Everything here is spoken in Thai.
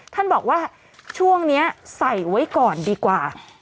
ท่านบอกว่าช่วงนี้ใส่ไว้ก่อนดีกว่า